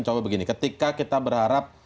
contoh begini ketika kita berharap